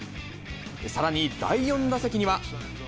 さらに第４打席には。